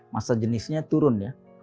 masa jenisnya turun ya